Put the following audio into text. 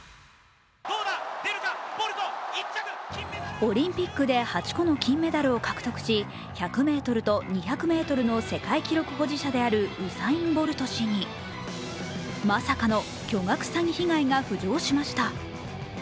オリンピックで８個の金メダルを獲得し、１００ｍと２００ｍの世界記録保持者であるウサイン・ボル氏にまさかの巨額詐欺被害が浮上しました。